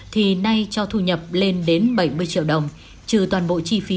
thì nay cho thu nhập lên đến bảy mươi triệu đồng trừ toàn bộ chi phí